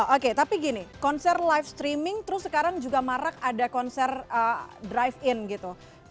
oke tapi gini konser live streaming terus sekarang juga marak ada konser drive in gitu